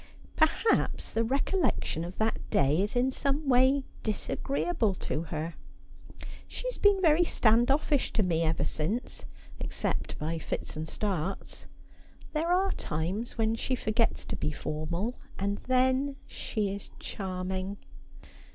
Perhaps the recollection of that day is in some way disagreeable to her. She has been very stand offish to me ever since — except by fits and starts. There are times when she forgets to be formal ; and then she is charming.'